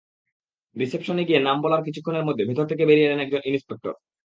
রিসেপশনে গিয়ে নাম বলার কিছুক্ষণের মধ্যে ভেতর থেকে বেরিয়ে এলেন একজন ইন্সপেক্টর।